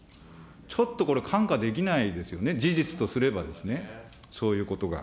ちょっとこれ、看過できないですよね、事実とすればですね、そういうことが。